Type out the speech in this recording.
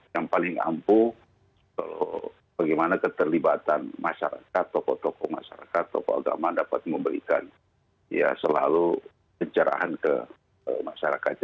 yang paling ampuh bagaimana keterlibatan masyarakat tokoh tokoh masyarakat tokoh agama dapat memberikan ya selalu pencerahan ke masyarakat